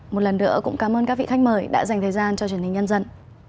một lần nữa cũng cảm ơn các vị khách mời đã dành thời gian cho truyền hình nhân dân